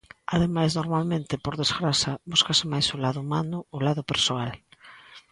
Ademais normalmente, por desgraza, búscase máis o lado humano, o lado persoal.